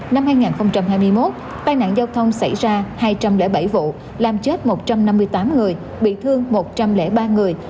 năm hai nghìn hai mươi một tai nạn giao thông xảy ra hai trăm linh bảy vụ làm chết một trăm năm mươi tám người bị thương một trăm linh ba người